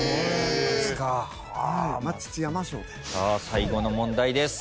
最後の問題です。